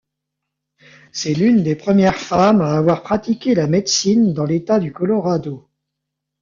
C'est l'une des premières femmes à avoir pratiqué la médecine dans l'État du Colorado.